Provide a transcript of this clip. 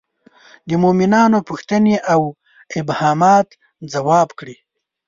د مومنانو پوښتنې او ابهامات ځواب کړي.